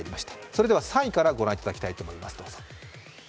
それでは３位からご覧いただきたいと思います、どうぞ。